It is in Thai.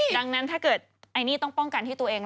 ดังนั้นถ้าเกิดไอ้นี่ต้องป้องกันที่ตัวเอง